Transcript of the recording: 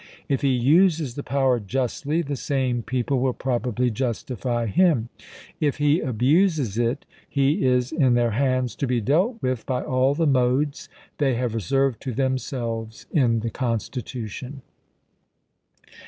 If he uses the power justly, the same people will probably justify him ; if he abuses it, he is in their hands to be dealt with by all the modes they have reserved to them selves in the Constitution.